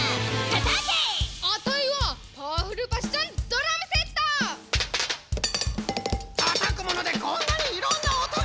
たたくものでこんなにいろんなおとが！